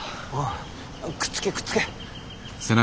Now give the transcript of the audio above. くっつけくっつけ。